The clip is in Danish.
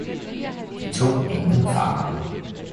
De tog ingen fanger.